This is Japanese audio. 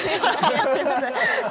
すいません。